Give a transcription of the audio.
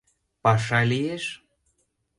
— Паша лиеш!